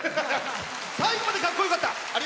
最後までかっこよかった！